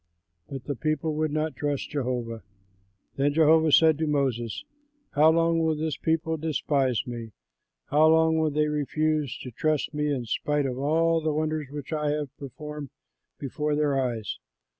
But the people would not trust Jehovah. Then Jehovah said to Moses, "How long will this people despise me? How long will they refuse to trust me in spite of all of the wonders which I have performed before their eyes?